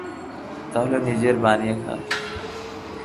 তাহলে নিজের বানিয়ে খা।